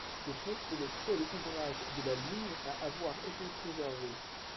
Ce pont est le seul ouvrage de la ligne à avoir été préservé.